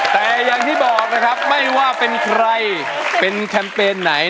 แต่อย่างที่บอกนะครับไม่ว่าเป็นใครเป็นแคมเปญไหน